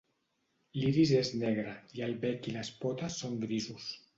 L'iris és negre i el bec i les potes són grisos.